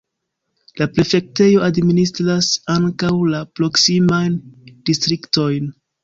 La prefektejo administras ankaŭ la proksimajn distriktojn.